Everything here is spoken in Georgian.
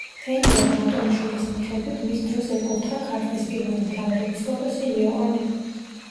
თეიმურაზ ბატონიშვილის მიხედვით მის დროს ეკურთხა ქართლის პირველი მთავარეპისკოპოსი იოანე.